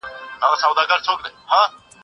زه له سهاره سبا ته فکر کوم.